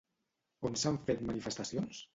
On s'han fet manifestacions?